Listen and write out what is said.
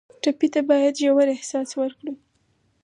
ټپي ته باید ژور احساس ورکړو.